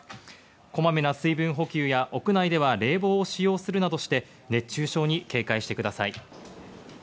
こまめな水分補給や屋内では冷房を使用するなどして、熱中症に警戒してください。